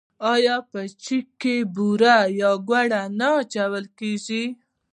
آیا په چای کې بوره یا ګوړه نه اچول کیږي؟